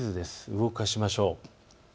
動かしましょう。